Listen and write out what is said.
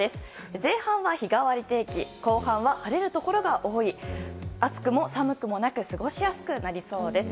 前半は日替わり天気後半は晴れるところが多い暑くも寒くもなく過ごしやすくなりそうです。